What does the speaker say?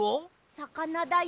さかなだよ。